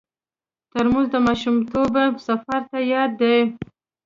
ترموز د ماشومتوب سفر ته یاد دی.